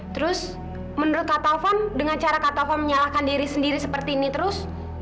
terus menurut kak taufan dengan cara katafon menyalahkan diri sendiri seperti ini terus